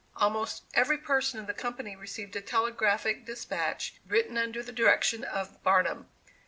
Almost every person in the company received a telegraphic despatch written under the direction of Barnum.